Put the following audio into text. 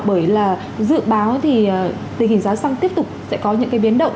bởi là dự báo thì tình hình giá xăng tiếp tục sẽ có những cái biến động